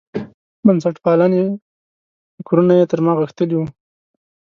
بنسټپالنې فکرونه یې تر ما غښتلي وو.